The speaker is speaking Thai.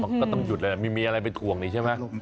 มันก็ต้องหยุดเลยไม่มีอะไรไปถ่วงนี่ใช่ไหม